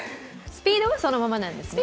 スピードはそのままです。